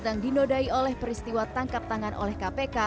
yang dinodai oleh peristiwa tangkap tangan oleh kpk